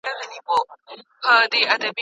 د انګریزانو پر ضد